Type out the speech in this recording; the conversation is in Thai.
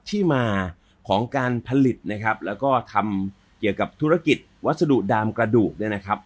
ที่มาของการผลิตนะครับแล้วก็ทำเกี่ยวกับธุรกิจวัสดุดามกระดูกเนี่ยนะครับ